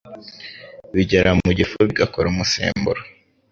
bigera mu gifu bigakora umusemburo,